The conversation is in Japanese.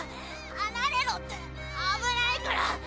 離れろって危ないから！